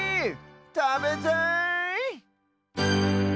たべたい！